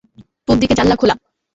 পুব দিকে জানলা খোলা।